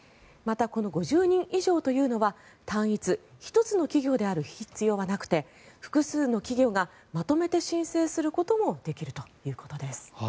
また、この５０人以上というのは単一１つの企業である必要はなくて複数の企業がまとめて申請することもできるということです。